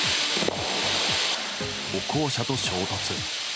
歩行者と衝突。